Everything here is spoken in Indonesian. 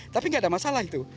tapi nggak ada masalah itu